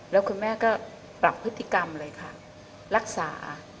แล้วคุณแม่ก็ปรับพฤติกรรมเลยค่ะรักษา